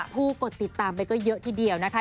กดติดตามไปก็เยอะทีเดียวนะคะ